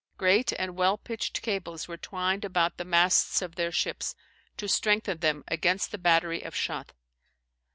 Great and well pitched cables were twined about the masts of their shippes, to strengthen them against the battery of shot.